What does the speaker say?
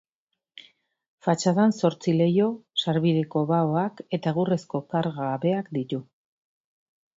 Fatxadan zortzi leiho, sarbideko baoak eta egurrezko karga-habeak ditu.